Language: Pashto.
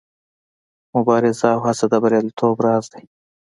مبارزه او هڅه د بریالیتوب راز دی.